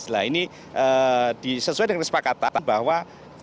nah ini sesuai dengan kesepakatan bahwa kita membayar sekitar